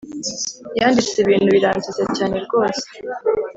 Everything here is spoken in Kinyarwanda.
Yanditse ibintu biransetsa cyane rwose